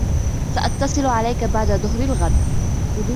سأتصل عليك بعد ظهر الغد.